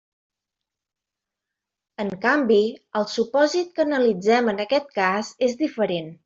En canvi, el supòsit que analitzem en aquest cas és diferent.